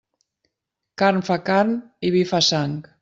Carn fa carn i vi fa sang.